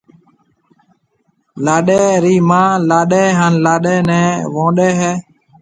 لاڏَي رِي مان لاڏَي ھان لاڏِي نيَ وئونڏَي ھيََََ